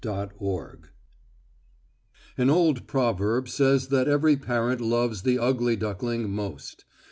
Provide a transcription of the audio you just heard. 1921 PREFACE An old proverb says that every parent loves the ugly duckling most.